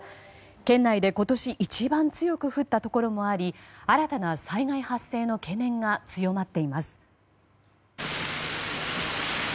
県内で今年一番強く降ったところもあり新たな災害発生の懸念が強まっています。